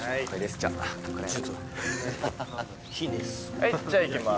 はいじゃあいきます。